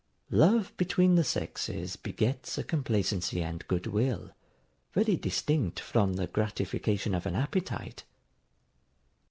Love between the sexes begets a complacency and good will, very distinct from the gratification of an appetite.